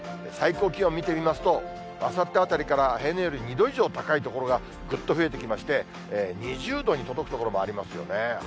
最高気温見てみますと、あさってあたりから平年より２度以上高い所がぐっと増えてきまして、２０度に届く所もありますよね。